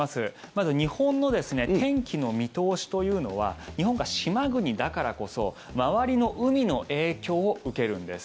まず日本の天気の見通しというのは日本が島国だからこそ周りの海の影響を受けるんです。